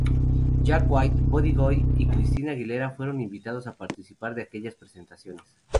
Jack White, Buddy Guy y Christina Aguilera fueron invitados a participar de aquellas presentaciones.